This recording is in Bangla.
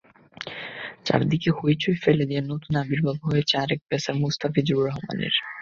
চারদিকে হইচই ফেলে দিয়ে নতুন আবির্ভাব হয়েছে আরেক পেসার মুস্তাফিজুর রহমানের।